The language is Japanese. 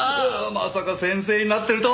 まさか先生になってるとは！